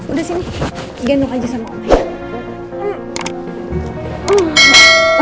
udah sini gendong aja sama oma